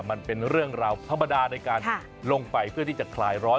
มันเป็นเรื่องราวธรรมดาในการลงไปเพื่อที่จะคลายร้อน